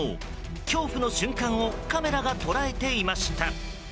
恐怖の瞬間をカメラが捉えていました。